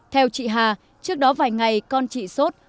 theo chị hà trước đó vài ngày con chị sốt